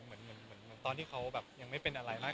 เหมือนตอนที่เขาแบบยังไม่เป็นอะไรมาก